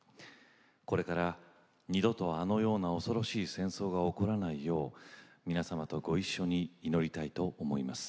これから二度とあのような恐ろしい戦争が起こらないよう皆様とごいっしょに祈りたいと思います。